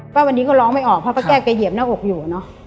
ว่าวันนี้ก็ร้องไม่ออกเพราะป้าแก้วแกเหยียบหน้าอกอยู่เนอะ